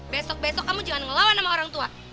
besok besok kamu jangan ngelawan sama orang tua